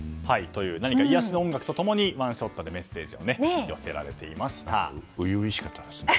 という、癒やしの音楽とともにワンショットでメッセージを寄せられていました。